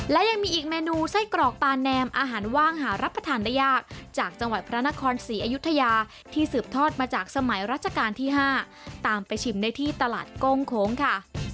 และยังมีอีกเมนูไส้กรอกปลาแนมอาหารว่างหารับประทานได้ยากจากจังหวัดพระนครศรีอยุธยาที่สืบทอดมาจากสมัยรัชกาลที่๕ตามไปชิมได้ที่ตลาดโก้งโค้งค่ะ